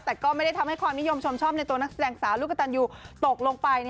แต่ก็ไม่ได้ทำให้ความนิยมชมชอบในตัวนักแสดงสาวลูกกระตันยูตกลงไป